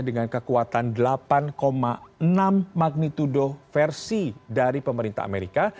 dan juga berkekuatan delapan enam magnitudo versi dari pemerintah amerika